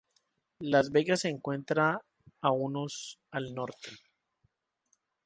Las Vegas se encuentra a unos al norte.